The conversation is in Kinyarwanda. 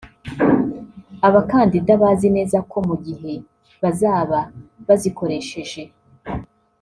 Abakandida bazi neza ko mu gihe bazaba bazikoresheje